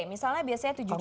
misalnya biasanya tujuh juta